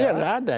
ya enggak ada